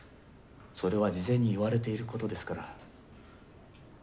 それは事前に言われていることですから。